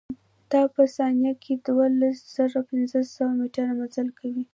دا په ثانيه کښې دولز زره پنځه سوه مټره مزل کوي.